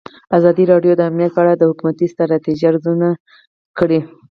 ازادي راډیو د امنیت په اړه د حکومتي ستراتیژۍ ارزونه کړې.